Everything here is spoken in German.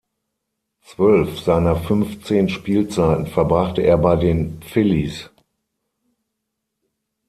Zwölf seiner fünfzehn Spielzeiten verbrachte er bei den Phillies.